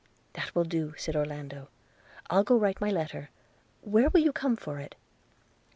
'That will do,' said Orlando; 'I'll go write my letter; – where will you come for it?'